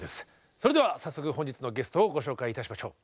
それでは早速本日のゲストをご紹介いたしましょう。